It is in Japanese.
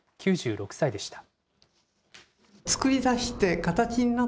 ９６歳でした。